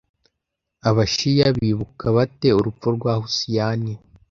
Abashiya bibuka bate urupfu rwa Ḥusayn